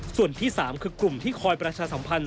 ส่วนที่๓คือกลุ่มที่คอยประชาสัมพันธ